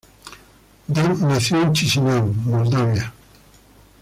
Dan nació en Chisinau, Moldavia.